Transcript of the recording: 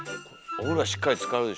お風呂しっかりつかるでしょ？